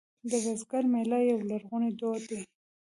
د بزګر میله یو لرغونی دود دی